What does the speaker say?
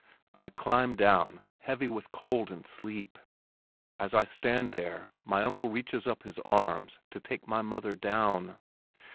I climb down, heavy with cold and sleep. As I stand there my uncle reaches up his arms to take my mother down.